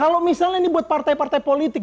dan kalau misalnya ini buat partai partai politik